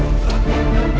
aku akan menang